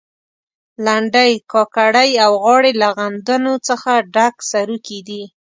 لنډۍ، کاکړۍ او غاړې له غندنو څخه ډک سروکي دي.